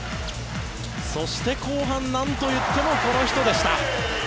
そして、後半なんと言ってもこの人でした。